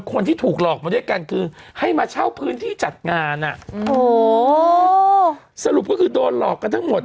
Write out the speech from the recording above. คนที่ถูกหลอกมาด้วยกันคือให้มาเช่าพื้นที่จัดงานอ่ะโอ้โหสรุปก็คือโดนหลอกกันทั้งหมด